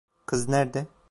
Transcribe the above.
Kız nerede?